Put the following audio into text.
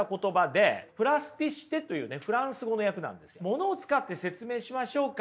ものを使って説明しましょうか。